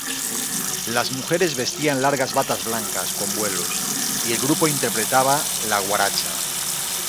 Las mujeres vestían largas batas blancas con vuelos, y el grupo interpretaba la guaracha.